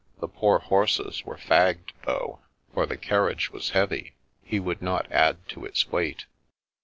The poor horses were fagged though, for the carriage was heavy; he would not add to its weight.